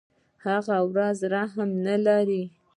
هغه هیڅ رحم نه لري.